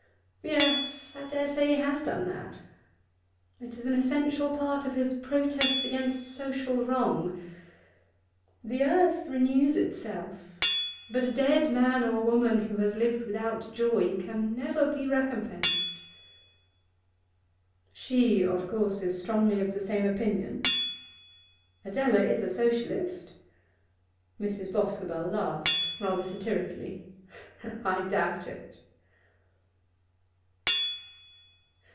'Yes, I dare say he has done that. It is an essential part of his protest against social wrong. The earth renews itself, but a dead man or woman who has lived without joy can never be recompensed.' 'She, of course, is strongly of the same opinion?' 'Adela is a Socialist.' Mrs. Boscobel laughed rather satirically. 'I doubt it.